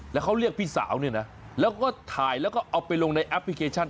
แล้วเขาเรียกพี่สาวเนี่ยนะแล้วก็ถ่ายแล้วก็เอาไปลงในแอปพลิเคชัน